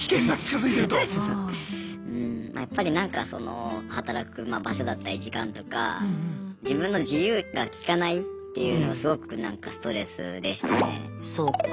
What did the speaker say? うんやっぱりなんかその働くまあ場所だったり時間とか自分の自由がきかないっていうのがすごくなんかストレスでしたね。